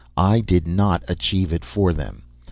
I did not achieve it for them.